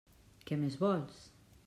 Què més vols?